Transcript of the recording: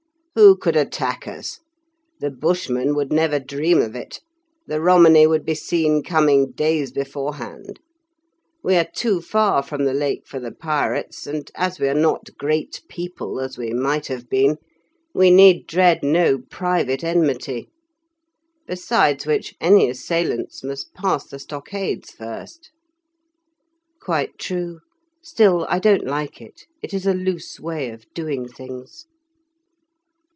Who could attack us? The Bushmen would never dream of it; the Romany would be seen coming days beforehand; we are too far from the Lake for the pirates; and as we are not great people, as we might have been, we need dread no private enmity. Besides which, any assailants must pass the stockades first." "Quite true. Still I don't like it; it is a loose way of doing things."